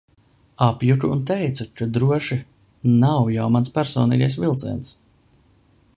Apjuku un teicu, ka droši, nav jau mans personīgais vilciens.